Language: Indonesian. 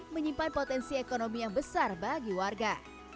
menyimpan potensi ekonomi yang besar bagi warga